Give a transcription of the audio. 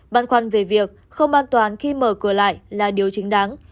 băn khoăn về việc không an toàn khi mở cửa lại là điều chính đáng